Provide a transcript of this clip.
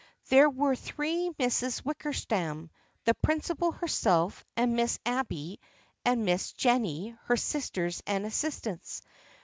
There were three Misses Wickersham : the principal herself and Miss Abby and Miss Jennie her sisters and assistants.